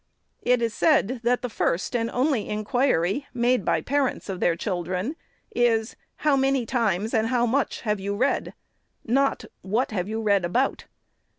It is said, that the first and only in quiry made by parents of their children is, " how many times and how much have you read ?" not " what have you read about